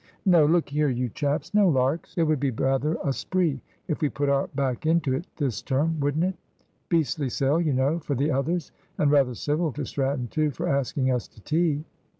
"No. Look here, you chaps, no larks. It would be rather a spree if we put our back into it this term, wouldn't it? beastly sell, you know, for the others; and rather civil to Stratton too, for asking us to tea."